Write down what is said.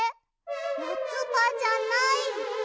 よつばじゃない！